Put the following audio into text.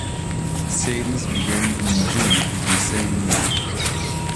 Sales began in June of the same year.